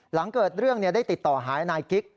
หลังเกิดเรื่องได้ติดต่อหายนายกิ๊ก